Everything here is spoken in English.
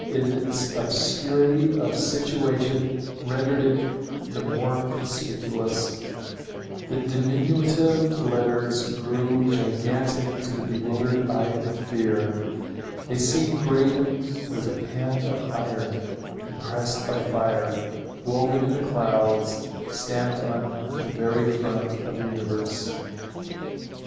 Its obscurity of situation rendered it the more conspicuous: the diminutive letters grew gigantic to the bewildered eye of fear: they seemed graven with a pen of iron, impressed by fire, woven in the clouds, stamped on the very front of the universe.